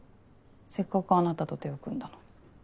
せっかくあなたと手を組んだのに。